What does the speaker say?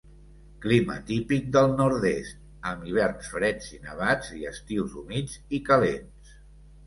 Clima típic del nord-est, amb hiverns freds i nevats i estius humits i calents.